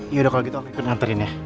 yaudah kalo gitu aku nganterin ya